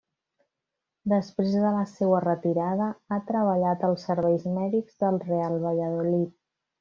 Després de la seua retirada, ha treballat als serveis mèdics del Real Valladolid.